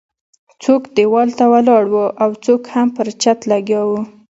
څوک ديوال ته ولاړ وو او څوک هم پر چت لګیا وو.